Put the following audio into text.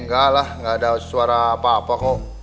nggak ada suara apa apa kok